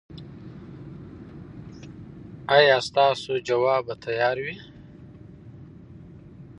ایا ستاسو ځواب به تیار وي؟